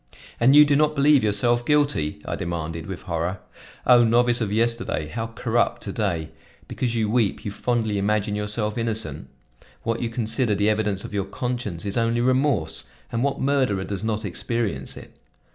"And you do not believe yourself guilty?" I demanded with horror. "O novice of yesterday, how corrupt to day! Because you weep, you fondly imagine yourself innocent? What you consider the evidence of your conscience is only remorse; and what murderer does not experience it?